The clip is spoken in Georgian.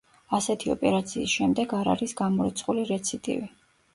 ასეთი ოპერაციის შემდეგ არ არის გამორიცხული რეციდივი.